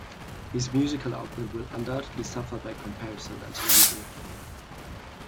His musical output will undoubtedly suffer by comparison until we do.